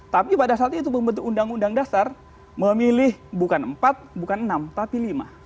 tapi pada saat itu pembentuk undang undang dasar memilih bukan empat bukan enam tapi lima